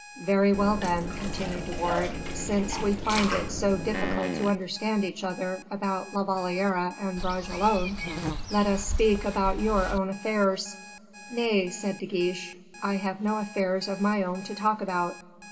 "Very well, then," continued De Wardes, "since we find it so difficult to understand each other about La Valliere and Bragelonne let us speak about your own affairs." "Nay," said De Guiche, "I have no affairs of my own to talk about.